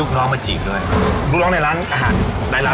ก็เล่าเขาบอกว่าก๊ากเอาล่ะ